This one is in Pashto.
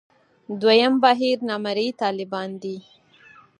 دویم بهیر نامرئي طالبان دي.